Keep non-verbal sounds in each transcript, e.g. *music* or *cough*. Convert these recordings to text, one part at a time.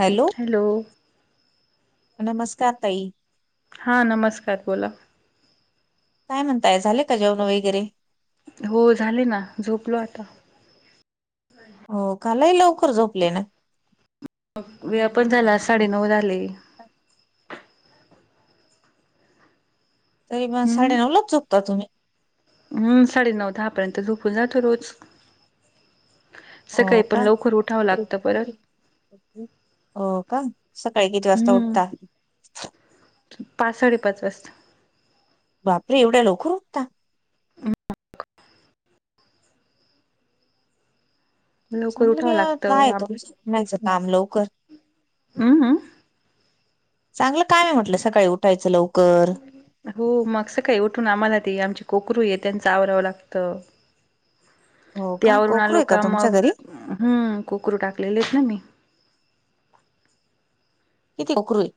Hello hello. नमस्कार ताई. हा नमस्कार बोला. काय म्हणताय झाले का जेवण वगैरे. हो झाले ना झोपलो आता. हो का लई लवकर झोपले ना. वेळा पण झाला साडेनऊ झाले. तरी मग हम्म साडेनऊलाच झोपता तुम्ही. हम्म साडेनऊ दहा पर्यंत झोपून जातो रोज. हो सकाळी का. पण लवकर उठावं लागतं परत हो का सकाळी किती वाजता हम्म उठता. पाच साडेपाच वाजता. बापरे एवढ्या लवकर उठता. हम्म. *unintelligible* लवकर उठावं चांगलं *unintelligible* लागतं तुमचं काम लवकर. हम्म हम्म. चांगलं काय हाय म्हटलं सकाळी उठायचं लवकर. हो मग सकाळी उठून आम्हाला ते आमचे कोकरूये त्यांच आवरावं लागत. हो का? त्यावरून कोकरू आलो आहे का तुमच्या मग घरी? हम्म कुकरू टाकलेले आहेत ना मी. किती कोकरूये.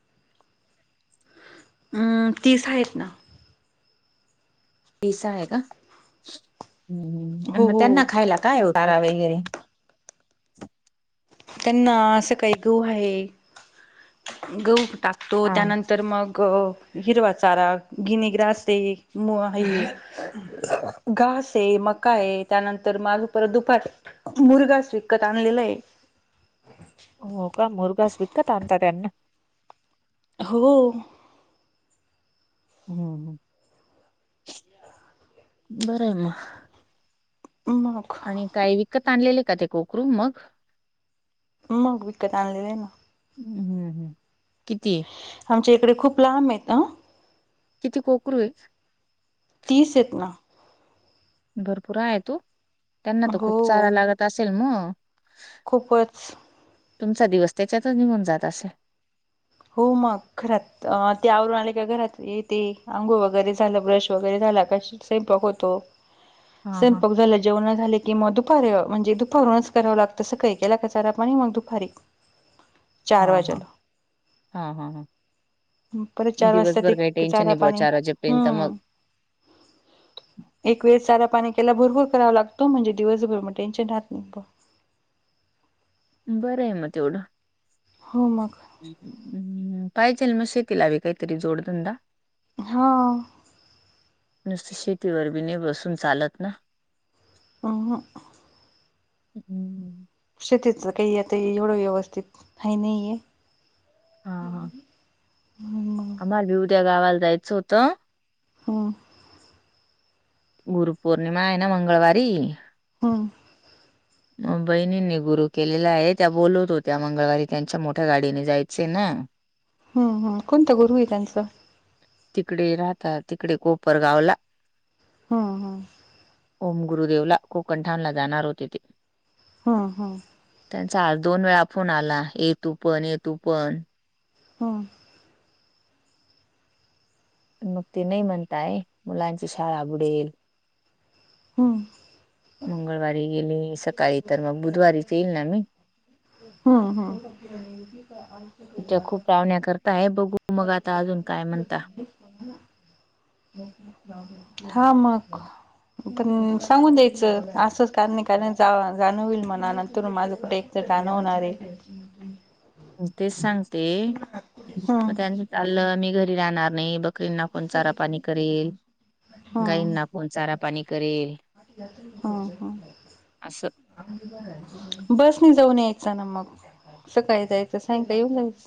हम्म तीस आहेत ना. तीस आहे का हम्म हम्म आणि हो मग हो त्यांना खायला काय चारा वगैरे. त्यांना असं काही गहू आहे गहू टाकतो हा. त्यानंतर. तर मग हिरवा चारा गिनीग्रास ते *unintelligible* घास आहे मका आहे त्यानंतर मालू परत दुपार. मुर्गाच विकत आणलेला आहे. *inaudible* हो का मुर्गास विकत आणता का *unintelligible* हो. हम्म हम्म बरं आहे मग मग आणि काही विकत आणलेले का ते कोकरू मग मग विकत आणलेले आहे ना. हम्म हम्म हम्म किती आमच्या इकडे खूप लांब आहेत हा. किती कोकरू आहेत. तीस आहेत ना भरपूर आहे ओ त्यांना त खूप चारा हो लागत असेल मग खूपच तुमचा दिवस त्याच्यातच निघून जात असेल. हो मग घरात ते आवरून आले का घरात येते अंघोळ वगैरे झालं ब्रश वगैरे झाला कशी स्वयंपाक होतो हा हा स्वयंपाक झालं जेवन झाले. कि मग दुपारी म्हणजे दुपारूनच करावं लागतं सकाळी केला का चारा, पाणी मग दुपारी हा चार हा वाजेला हा हा परत चार वाजता ते दिवसभर काही टेन्शन चारा नाय बुवा पाणी चार वाजेपर्यंत मग हम्म एक वेळेस चारा पाणी केला भरपूर करावा लागतो म्हणजे दिवसभर मग टेन्शन राहत नाही बरं आहे मग तेवढं हो मग पाहिजेल मग शेतीलाबी काहीतरी जोडधंदा हा नुसतं शेतीवर बी नाही बसून चालत ना नह हम्मम शेतीच काही येतंय एवढं व्यवस्थित हाय नाहीये हा हा. *unintelligible* *unintelligible* उद्या गावाला जायचं होतं हम गुरु पौर्णिमा हाय ना मंगळवारी हम मग बहिणींनी गुरु केलेला आहे त्या बोलवत होत्या मंगळवारी त्यांच्या मोठ्या गाडीने जायचे ना हम्म हम कोणत गुरु आहे त्यांचं तिकडे राहतात तिकडे कोपर गावला *unintelligible* ओम गुरुदेवला कोकणठाणला जाणार होते ते *unintelligible* त्यांचा आज दोन वेळा फोन आला ये तु पण ये तु पण हम्म मग ते नाई म्हणताय मुलांची शाळा बुडेल हम्म मंगळवारी गेले सकाळी तर मग बुधवारीच येईल ना मी हम्म हम्म *unintelligible* *unintelligible* करताय बघु मग आता अजून काय म्हणता हा मग पण सांगून द्यायचं असंच कारण कारणे जाण होईल मला या नंतरुण माझं कुठे एकट जान होणार आय *unintelligible* तेच सांगते म हम्म त्यांनी चाललं मी घरी राहणार नाही ये बघ गाईंना कोण चारा पाणी करेल गाईंना कोण चारा पाणी करेल ह ह असं बसनी जाऊन यायचं ना मग सकाळी जायचं सांयका येऊन जायचं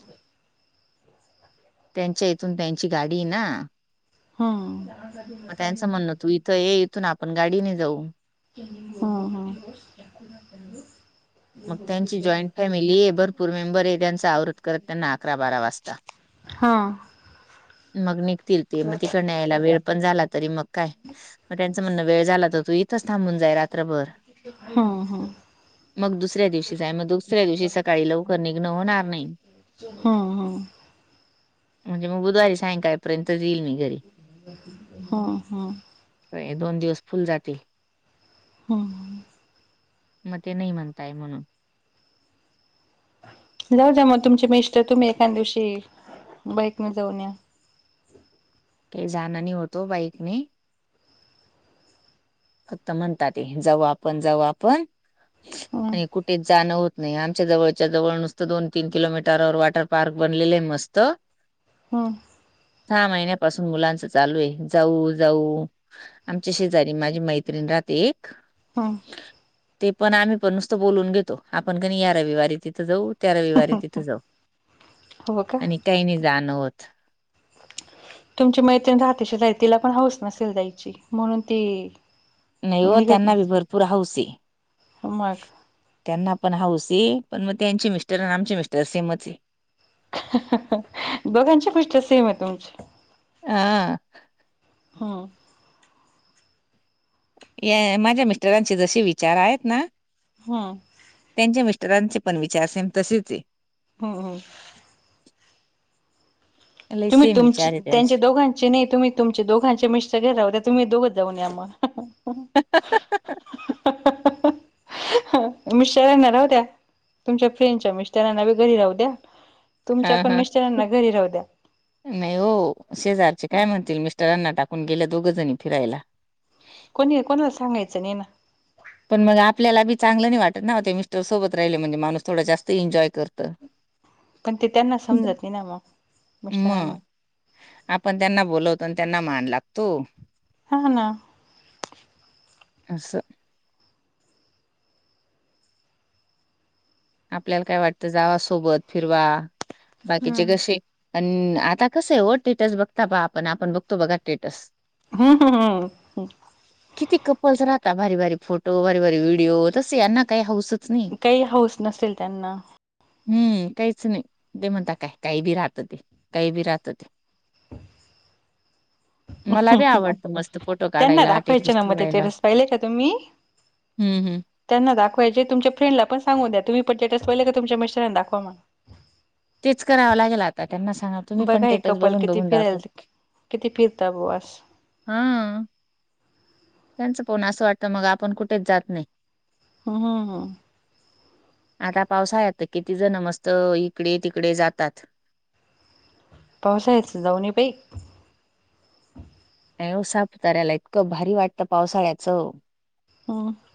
त्यांच्या इथून त्यांची गाडी हाय ना हम्म आता यांचं म्हणणं तू इथं ये इथून आपण गाडीने जाऊ हम हम मग त्यांची जॉईंट फॅमिली आहे भरपूर मेंबर आहे त्यांच आवरत करत त्यांना अकरा बारा वाजता *unintelligible* हा मग निघतील ते म तिकडन यायला वेळ पण झाला तरी मग काय मग त्यांचं म्हणणं वेळ झाला तर तू इथंच थांबून जाय रात्रभर. हा हा. मग दुसऱ्या दिवशी जाय मग दुसऱ्या दिवशी सकाळी लवकर निघनं होणार नाही. हम्म हम्म म्हणजे मग बुधवारी सायंकाळ पर्यंत येईल मी घरी. हा हा. तर हे दोन दिवस फूल जाते. हम्म. मग ते नाही म्हणताय म्हणून. जाऊ जा मग तुमची मिस्टर तुम्ही एखां दिवशी बाईकने जाऊन या. काही जाणां नाही होतो बाईक नी. फक्त म्हणतात ते जाऊ आपण जाऊ आपण हम्म आणि कुठे जाणं होत नाही आमच्या जवळच्या जवळ नुसतं दोन-तीन किलोमीटरवर वॉटर पार्क बनलेले आहे मस्त. हां. सहा महिन्यापासून मुलांच चालू आहे जाऊ जाऊ आमच्या शेजारी मा झी मैत्रिणी राहते एक हा. ते पण आम्ही पण नुसतं बोलून घेतो आपण क नी या रविवारी तिथं जाऊ त्या रविवारी तिथं जाऊ हवा का. आणि काही नाही जाण होत. तुमची मैत्रीिण राहते शेजारी तिला पण हौस नसेल जायची म्हणून ती नाही हो निघत त्यांना बी नसेल भरपूर हौस आहे मग त्यांना पण हाऊस आहे पण मग त्यांचे मिस्टर आणि आमचे मिस्टर सेमच आहे. दोघांची मिस्टर सेम आहे तुमची. हा हा. या माझ्या मिस्टरांचे जसे विचार आहेत ना हा. त्यांच्या मिस्टरांचे पण विचार सेम तसेच आहे. हो हो. लई तुम्ही सेम तुमची विचार आहे त्यांच्या त्यांचे दोघांचे नाही तुम्ही तुमचे दोघांचे मिस्टर घरी राहुद्या तुम्ही दोघच जाऊन या म. *unintelligible* हो मिस्टरांना राहू द्या तुमच्या फ्रेंडच्या मिस्टरांना बी घरी राहू द्या तुमच्या हा पण हा मिस्टरांना घरी राहू द्या नाही ओ शेजारचे काय म्हणतील मिस्टरांना टाकून गेले दोघं जणी फिरायला. कोणी कोणाला सांगायचं नाही ना. पण मग आपल्याला बी चांगलं नाही वाटत ना हो ते मिस्टर सोबत राहिले म्हणजे माणूस थोडं जास्ती एन्जॉय करतं. पण ते त्यांना समजत नाही ना मग मिस्टरांना. मग आपण त्यांना बोलवतो आणि त्यांना मान लागतो. हा ना. असं आपल्याला काय वाटतं जावा सोबत फिरवा बाकीचे हम्म कसे पण आता कसं आहे हो टेटस बघता प आपण आपण बघतो बघा टेटस. हम्म हम हम किती कपल्स राहता भारी भारी फोटो, भारी भारी व्हिडिओ तस यांना काही हाऊसच नाही. काही हौऊस नसेल त्यांना. हम्म काहीच नाही ते म्हणता काय काही बी राहतं ते, काही बी राहत ते मला बी आवडतं मस्त फोटो त्यांना काढायला दाखवायचे स्टेटस ना मग ते ठेवायला. टेरेस पाहिले का तुम्ही हम्म हम्म. त्यांना दाखवायचे तुमचे फ्रेंडला पण सांगु द्या तुम्ही पण स्टेटस पाहिलं का तुमच्या मिस्टरांना दाखवा म्हणून. तेच करावं लागेल आता त्यांना सांगा तुम्ही पण बघा हे टेटस कपल बघून किती बघून दाखव. फिरायल किती फिरता बुवास. हा त्यांचं पाहून असं वाटत मग आपण कुठेच जात नाही. *unintelligible* आता पावसाळात तर किती जण मस्त इकडे- तिकडे जातात. पावसाळाच जाऊ नई बाई. नाही हो साताराला इतकं भारी वाटतं पावसाळ्याचं. *unintelligible*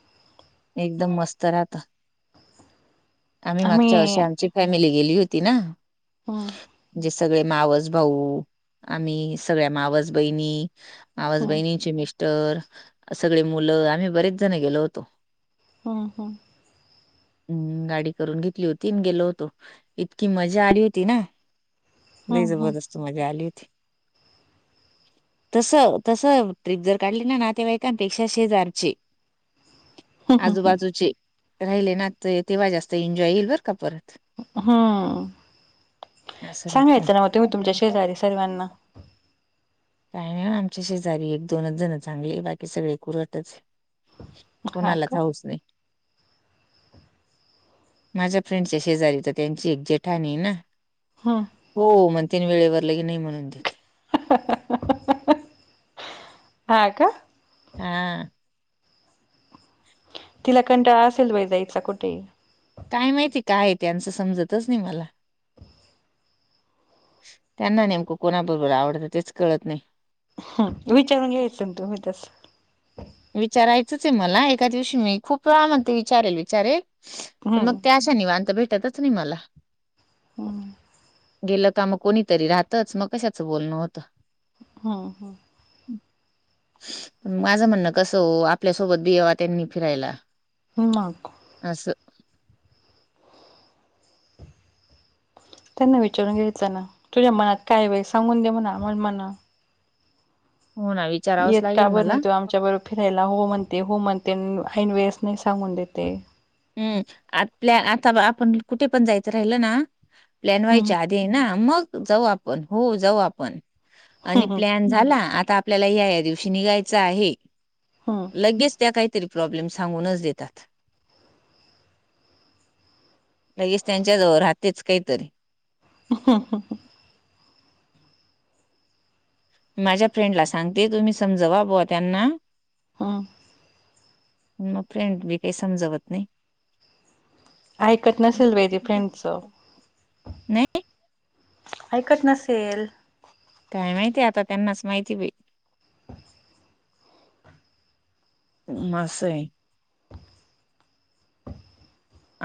एकदम मस्त राहत. आम्ही मागच्या वर्षी आमची फॅमिली गेली होती ना. हा जे सगळे मावस भाऊ, आम्ही सगळ्या मावस बहिणी मावस हम्म बहिणींचे मिस्टर, सगळी मुलं आम्ही बरेच जण गेलो होतो. *unintelligible* *inaudible* हम्म गाडी करून घेतली होती आणि गेलो होतो. इतकी मजा आली होती ना, लई हम्म जबरदस्त मजा आली होती. तस, तस ट्रिप जर काढली ना नातेवाईकांपेक्षा शेजारचे हम्म हम्म आजूबाजूचे राहिले ना तेव्हा जास्त एन्जॉय येईल बरं का परत हम्म असं राहत सांगायचं ना तेव्हा तुम्ही तुमच्या शेजारी सर्वांना. काय नाही आमच्या शेजारी एक दोनच जण चांगले हाय, बाकी सगळे कुरटच. हा कोणालाच का हौस नाही. माझ्या फ्रेंडच्या शेजारी तर त्यांची एक जेठाणी हायना. *unintelligible* हो, मग तीन वेळेवर *unintelligible* नाही म्हणून देत. *unintelligible* हा का. हा तिला कंटाळा असेल बाई जायचा कुठंही. काय माहिती काय आहे, त्यांचं समजतच नाही मला. त्यांना नेमकं कोणाबरोबर आवडत तेच कळत नाही. ह, विचारून घ्यायचं न तुम्ही तसं. विचारायचंच आहे मला एका दिवशी मी खूप वेळा म्हणते विचारेल, विचारेल पण मग हम्म त्या त्या निवांत भेटतच नाई मला. ह गेलं का मग कोणीतरी राहतच मग कशाच बोलणं होतं. हम, हम माझं म्हण कसं हो आपल्यासोबतबि यवा त्यांनी फिरायला. मग आसं त्यांना विचारून घ्यायचं ना तुझ्या मनात काय हाय बाई सांगून दे म्हणा *unintelligible* *unintelligible* येत का लागेल बर मला नाही तो आमच्या बरोबर फिरायला हो म्हणते, हो म्हणते ऐन वेळेस नाही सांगून देते. हम् *unintelligible* आता आपण कुठे पण जायचं राहिलं ना प्लॅन हम्म व्हायच्या आधी तेना मग जाऊ आपण हो जाऊ आपण आणि हम्म प्लन झाला आता आपल्याला ह्या ह्या दिवशी निघायचं आहे. हम्म लगेच त्या काहीतरी प्रॉब्लेम सांगुनच देतात. लगेच त्यांच्याजवळ राहतेच काहीतरी. *unintelligible* माझ्या फ्रेंडला सांगते तुम्ही समजवा बुवा त्यांना. हम मग फ्रेंडबी काही समजवत नाही. ऐकत नसेल बाई ते फ्रेंडचं. नाही ऐकत नसेल. काय माहिती आता त्यांनाच माहिती बाई. मासं आहे.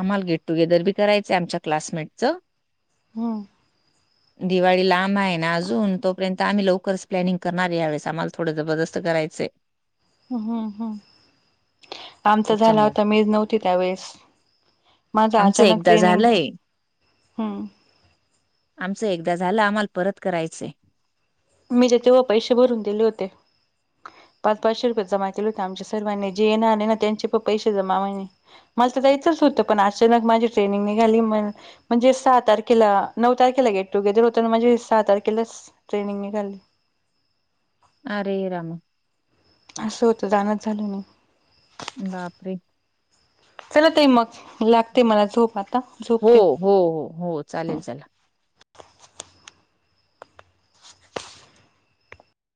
आम्हाला गेट टुगेदर बी करायचंय आमच्या क्लासमेटचं. हं दिवाळी लांब आहे ना अजून तोपर्यंत आम्ही लवकरच प्लॅनिंग करणार हाय या वेळेस आम्हाला थोड जबरदस्त करायचंय. हम्म हम् आमचा झाला त्याच्यामुळे होता मीच नव्हती त्यावेेळेस. माझा आमचं अचानक एकदा ट्रेनिंग झालंय. हम्म आमचं एकदा झालं आम्हाला परत करायचंय. मी जे तेव्हा पैसे भरून दिले होते. पाच पाचशे रुपये जमा केले होते आमच्या सर्वांनी जे येणार नाय ना त्यांचे पण पैसे जमा *unintelligible* मला तर जायचंच होतं पण अचानक माझी ट्रेनिंग निघाली मग, म्हणजे सहा तारखेला नऊ तारखेला गेटु गेदर होत ना माझे म्हणजे सहा तारखेला ट्रेनिंग निघाली. आ रे रामा. असं होतं, जाणच झालं नाही. बापरे! चला ताई, मग लागते मला झोप आता हो झोपते. हो, हो, हो चालेल चला.